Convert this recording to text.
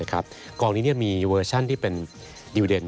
กองนี้มีเวอร์ชั่นที่เป็นดิวเดน